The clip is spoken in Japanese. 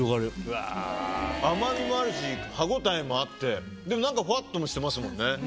甘みもあるし歯応えもあってでも何かフワっともしてますもんね。